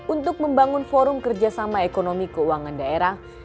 untuk membangun forum kerjasama ekonomi keuangan daerah